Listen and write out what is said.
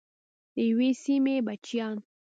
د یوې سیمې بچیان.